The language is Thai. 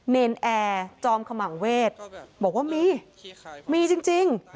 เนรนแอร์จอมขมังเวศบอกว่ามีมีจริง